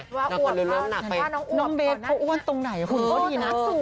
น้องเบสเขาอ้วนตรงไหนคุณโบสถ์อีกหนักสุดนะ